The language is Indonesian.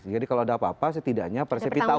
jadi kalau ada apa apa setidaknya persepi tahu